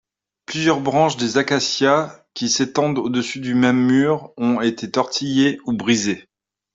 Plusieurs branches des acacias qui s'étendent au-dessus du même mur ont été tortillées ou brisées.